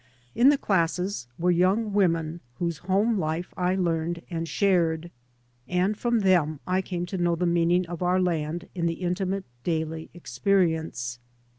In the classes were young women whose home life I learned and shared, and from them I came to know the meaning of our land in the intimate daily experience.